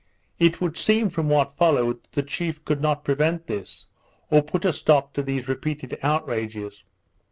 It should seem from what followed, that the chief could not prevent this, or put a stop to these repeated outrages.